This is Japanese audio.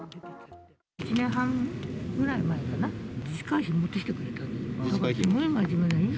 １年半ぐらい前かな、自治会費持ってきてくれたんです。